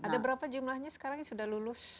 ada berapa jumlahnya sekarang yang sudah lulus